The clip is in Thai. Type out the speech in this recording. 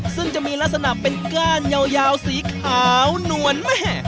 ซึ่งจะมีลักษณะเป็นก้านยาวสีขาวนวลแม่